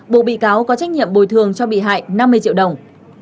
bộ bị cáo có trách nhiệm bồi thường cho bị hại năm mươi triệu đồng